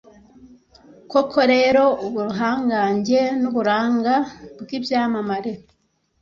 Koko rero, ubuhangange n’uburanga bw’ibyaremwe